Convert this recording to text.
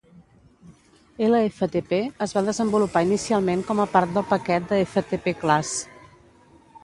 Lftp es va desenvolupar inicialment com a part del paquet de ftpclass.